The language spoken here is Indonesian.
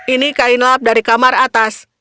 ini kain lap dari kamar atas